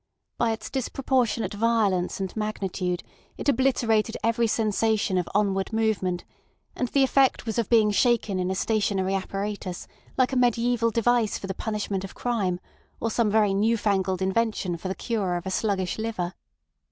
By its disproportionate violence and magnitude it obliterated every sensation of onward movement; and the effect was of being shaken in a stationary apparatus like a mediæval device for the punishment of crime, or some very newfangled invention for the cure of a sluggish liver.